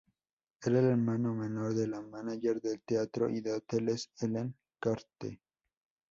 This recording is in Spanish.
Era el hermano menor de la mánager de teatro y de hoteles Helen Carte.